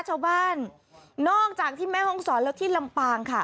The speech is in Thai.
ชาวบ้านนอกจากที่แม่ห้องศรและที่ลำปางค่ะ